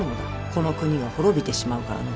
この国が滅びてしまうからの。